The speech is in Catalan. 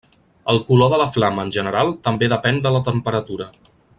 El color de la flama en general també depèn de la temperatura.